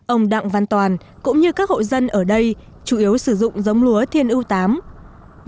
ông đặng văn toàn cũng như các hậu dân ở đây chủ yếu sử dụng giống lúa thiên yêu viii